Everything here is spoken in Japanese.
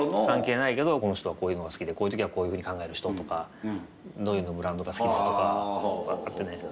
関係ないけどこの人はこういうのが好きでこういう時はこういうふうに考える人とかどういうブランドが好きだとかバってね。